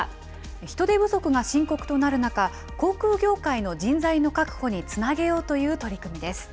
人手不足が深刻となる中、航空業界の人材の確保につなげようという取り組みです。